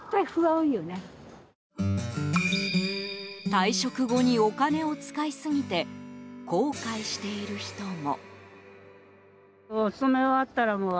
退職後にお金を使いすぎて後悔している人も。